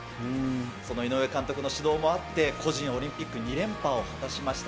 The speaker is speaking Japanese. その井上監督の指導もあって、個人、オリンピック２連覇を果たしました。